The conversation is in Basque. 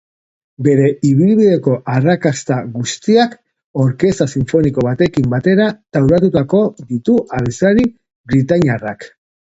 Bere ibilbideko arrakasta guztiak orkesta sinfoniko batekin batera taularatuko ditu abeslari britainiarrak.